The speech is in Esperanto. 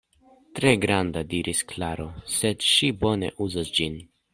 Tre granda, diris Klaro, sed ŝi bone uzas ĝin.